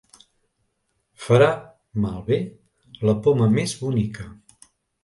Farà malbé la poma més bonica.